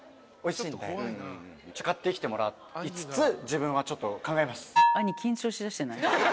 買ってきてもらいつつ自分はちょっと考えます。